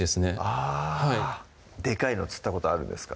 あぁでかいの釣ったことあるんですか？